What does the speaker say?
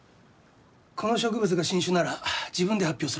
この植物が新種なら自分で発表するのか？